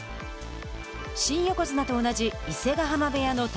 新横綱と同じ伊勢ヶ濱部屋の宝